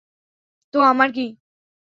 তো, আমার কি।